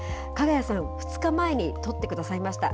ＫＡＧＡＹＡさん、２日前に撮ってくださいました。